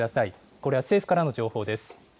これは政府からの情報です。